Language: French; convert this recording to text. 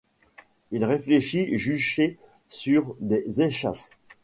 Il réfléchit, juché sur des échasses.